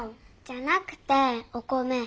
じゃなくてお米。